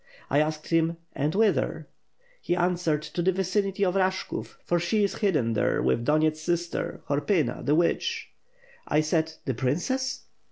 I asked him, 'And whither?' He answered 'To the vicinity of Rashkov, for she is hidden there with Donyet's sister, Horpyna, the witch.' I said, 'the princess?'